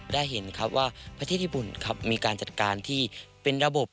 ได้เห็นครับว่าประเทศญี่ปุ่นครับมีการจัดการที่เป็นระบบ